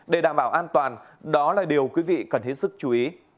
để đảm bảo an toàn đó là điều quý vị cần hết sức chú ý